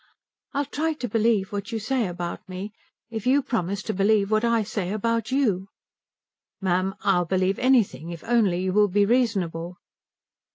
"I'll try to believe what you say about me, if you promise to believe what I say about you." "Ma'am, I'll believe anything if only you will be reasonable."